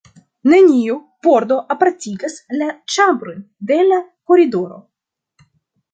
Neniu pordo apartigas la ĉambrojn de la koridoro.